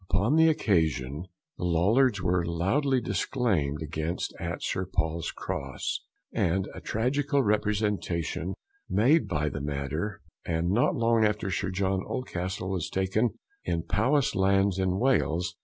Upon the occasion the Lollards were loudly disclaimed against at St. Paul's Cross, and a tragical Representation made of the Matter, and not long after Sir John Oldcastle was taken in Powis Lands in Wales.